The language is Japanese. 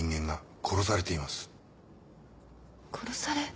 殺され。